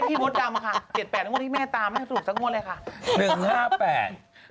เลขที่มดดำค่ะ๗๘ที่แม่ตามไม่สุดสักหมดเลยค่ะ